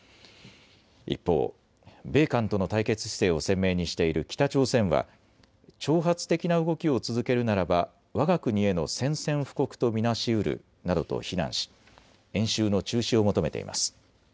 一方、米韓との対決姿勢を鮮明にしている北朝鮮は挑発的な動きを続けるならばわが国への宣戦布告と見なしうるなどと非難し演習の中止を求めています。